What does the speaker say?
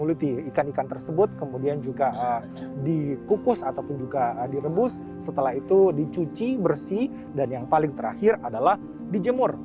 itu dicuci bersih dan yang paling terakhir adalah dijemur